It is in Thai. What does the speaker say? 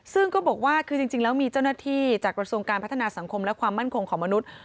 ซึ่งก็บอกว่าคือจริงแล้วมีเจ้าหน้าที่จากกระทรวงการพัฒนาสังคมและความมั่นคงของมนุษย์